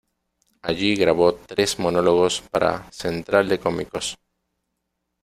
Allí grabó tres monólogos para Central de Cómicos.